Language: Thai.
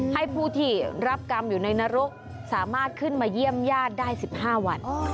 ให้ผู้ที่รับกรรมอยู่ในนรกสามารถขึ้นมาเยี่ยมญาติได้๑๕วัน